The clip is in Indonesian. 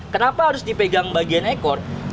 kenapa harus dipegang bagian ekor